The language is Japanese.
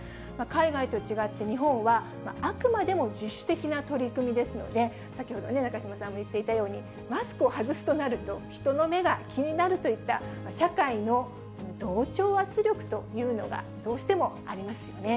海外と違って日本はあくまでも自主的な取り組みですので、先ほどね、中島さんも言っていたように、マスクを外すとなると、人の目が気になるといった、社会の同調圧力というのがどうしてもありますよね。